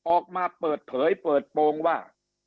ออกมาเปิดเผยเปิดโปรงว่า